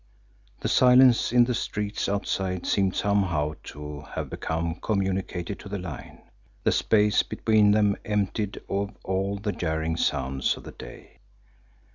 The silence in the streets outside seemed somehow to have become communicated to the line, the space between them emptied of all the jarring sounds of the day.